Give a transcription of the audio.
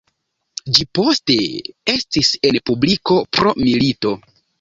Ĝi poste estis en publiko pro milito.